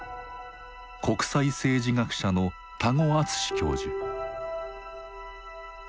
国際政治学者の多湖淳教授。